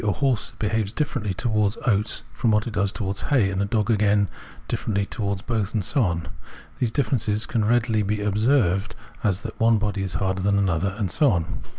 a horse behaves differently towards oats from what it does towards hay, and a dog again differently towards both, and so on. These differences can as readily be observed as that one body is harder than another, and so on.